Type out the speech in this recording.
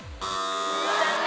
残念。